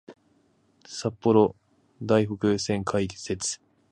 札幌・台北線開設